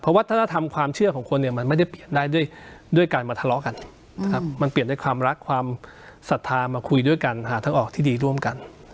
วัฒนธรรมความเชื่อของคนเนี่ยมันไม่ได้เปลี่ยนได้ด้วยการมาทะเลาะกันนะครับมันเปลี่ยนด้วยความรักความศรัทธามาคุยด้วยกันหาทางออกที่ดีร่วมกัน